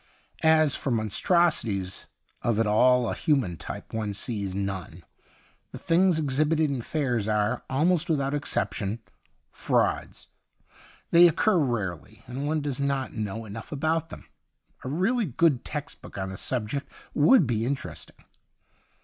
As for mon strosities of at all a human type one sees none ; the things ex hibited in fairs are, alnaost without exception, fi*auds. They occur rarely, and one does not know enough about them. A really good text book on the subject would be interesting.